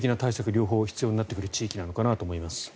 両方必要になってくる地域なのかなと思います。